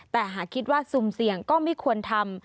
แต่หากคิดว่าซุ่มเสี่ยงก็ไม่ควรทำ